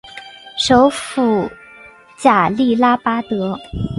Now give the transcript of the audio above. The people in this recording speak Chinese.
首府贾利拉巴德。